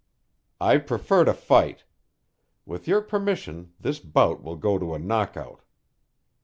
"I prefer to fight. With your permission this bout will go to a knockout."